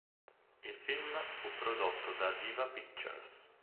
Il film fu prodotto da Diva Pictures.